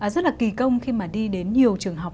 rất là kỳ công khi mà đi đến nhiều trường học